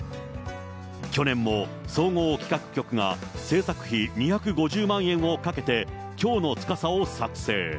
去年も総合企画局が製作費２５０万円をかけて、京乃つかさを作成。